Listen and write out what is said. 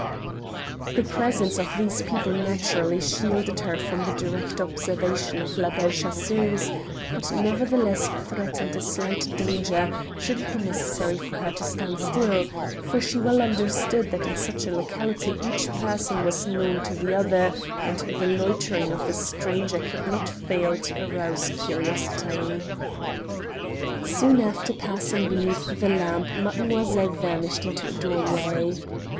The presence of these people naturally shielded her from the direct observation of La Belle Chasseuse, but nevertheless threatened a slight danger should it be necessary for her to stand still, for she well understood that in such a locality each person was known to the other, and the loitering of a stranger could not fail to arouse curiosity. Soon after passing beneath the lamp mademoiselle vanished into a doorway.